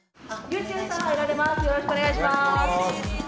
よろしくお願いします。